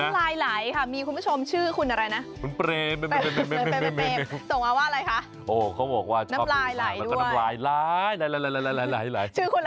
ลายไหลค่ะมีคุณผู้ชมชื่อคุณอะไรนะ